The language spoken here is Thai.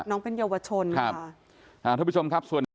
น้องเป็นเยาวชนค่ะค่ะทุกผู้ชมครับ